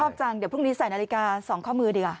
ชอบจังเดี๋ยวพรุ่งนี้ใส่นาฬิกา๒ข้อมือดีกว่า